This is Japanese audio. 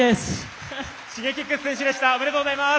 Ｓｈｉｇｅｋｉｘ選手でした。